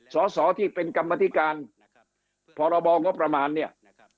สอสอที่เป็นกรรมธิการพรบงบประมาณเนี่ย